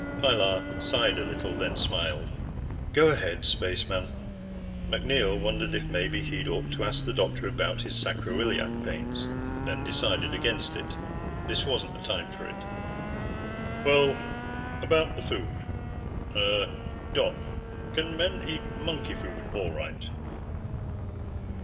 Pilar sighed a little, then smiled. "Go ahead, spaceman." MacNeil wondered if maybe he'd ought to ask the doctor about his sacroiliac pains, then decided against it. This wasn't the time for it. "Well, about the food. Uh ... Doc, can men eat monkey food all right?"